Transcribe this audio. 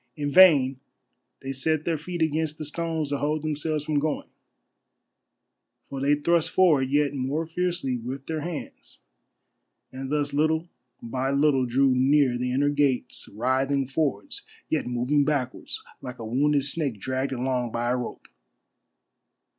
In vain they set their feet against the stones to hold themselves from going, for they thrust forward yet more fiercely with their hands, and thus little by little drew near the inner gates writhing forwards yet moving backwards like a wounded snake dragged along by a rope.